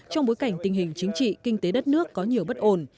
trong bối cảnh tình hình chính trị kinh tế đất nước có nhiều bất ổn